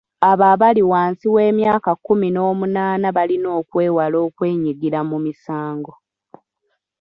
Abo abali wansi w'emyaka kkumi n'omunaana balina okwewala okwenyigira mu misango.